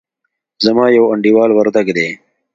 زما يو انډيوال وردګ دئ.